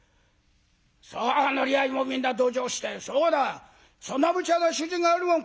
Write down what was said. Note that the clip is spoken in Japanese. さあ乗り合いもみんな同情して「そうだそんなむちゃな主人があるもんか！」。